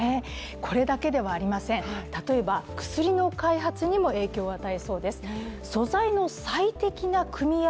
これだけではありません、例えば薬の開発にも影響を与えそうです。